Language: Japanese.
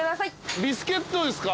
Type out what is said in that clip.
ビスケットですか？